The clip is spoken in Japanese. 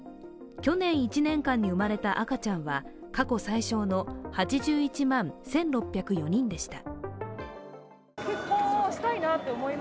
去年１年間に生まれた赤ちゃんは過去最少の８１万１６０４人でした。